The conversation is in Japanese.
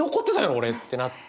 俺」ってなって。